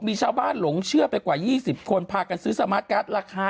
มีชาวบ้านหลงเชื่อไปกว่า๒๐คนพากันซื้อสมาร์ทการ์ดราคา